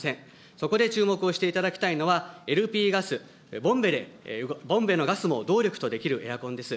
そこで注目をしていただきたいのは、ＬＰガス、ボンベのガスも動力とできるエアコンです。